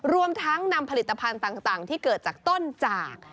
รวมทั้งนำผลิตภัณฑ์ต่างที่เกิดจากต้นจาก